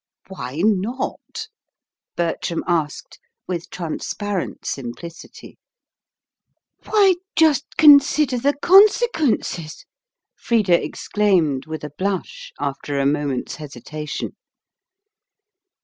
"Why not?" Bertram asked, with transparent simplicity. "Why, just consider the consequences!" Frida exclaimed, with a blush, after a moment's hesitation.